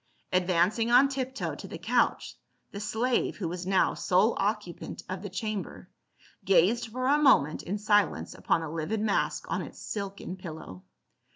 Advancing on tiptoe to the couch the slave, who was now sole occupant of the chamber, gazed for a moment in silence upon the livid mask on its silken pillow.